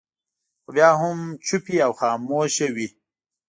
خو بیا هم چوپې او خاموشه وي.